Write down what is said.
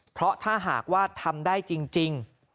เพราะถ้าหากว่าทำได้จริง